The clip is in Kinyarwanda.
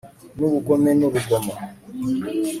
n'ubugome n'urugomo